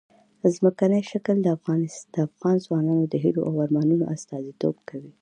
ځمکنی شکل د افغان ځوانانو د هیلو او ارمانونو استازیتوب کوي.